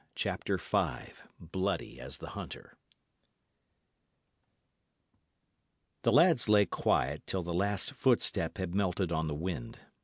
CHAPTER V "BLOODY AS THE HUNTER" The lads lay quiet till the last footstep had melted on the wind.